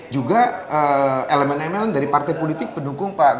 juga elemen because oleh partai politik pendukung pak ganjar prabowo sendiri